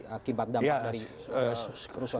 akibat dampak dari keamanan